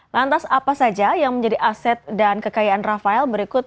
lantas apa saja yang menjadi aset dan kekayaan rafael